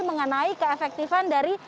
mengenai keefektifan dari